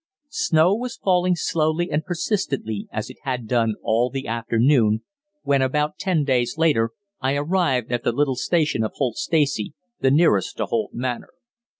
Snow was falling slowly and persistently, as it had done all the afternoon, when, about ten days later, I arrived at the little station of Holt Stacey, the nearest to Holt Manor.